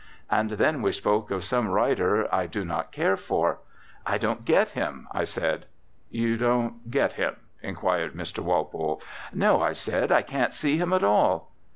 And then we spoke of some writer I do not care for. "I don't get him," I said. "You don't get him?" inquired Mr. Walpole. "No," I said, "I can't see him at all."